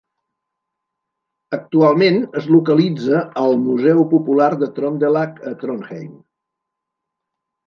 Actualment es localitza al Museu Popular de Trøndelag, a Trondheim.